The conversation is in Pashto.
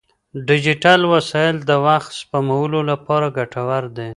ډیجیټل وسایل د وخت سپمولو لپاره ګټور دي.